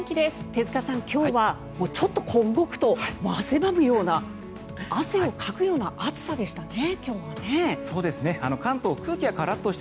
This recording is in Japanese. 手塚さん、今日はちょっと動くともう汗ばむような汗をかくような暑さでしたね。